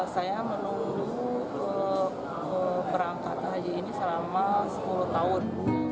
saya menunggu berangkat haji ini selama sepuluh tahun